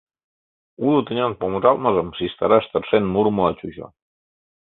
Уло тӱнян помыжалтмыжым шижтараш тыршен мурымыла чучо.